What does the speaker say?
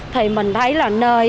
thì mình thấy là nơi